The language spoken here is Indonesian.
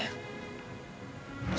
gak mungkin ya